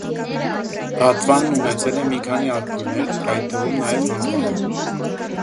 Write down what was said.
Դատվանն ունեցել է մի քանի աղբյուրներ, այդ թվում նաև հանքային։